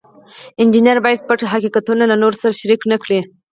انجینر باید پټ حقیقتونه له نورو سره شریک نکړي.